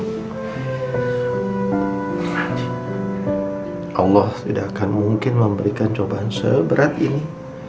allah tidak akan mungkin memberikan cobaan seberat ini